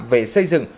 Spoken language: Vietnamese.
về xây dựng